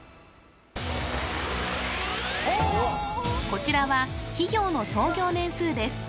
こちらは企業の創業年数です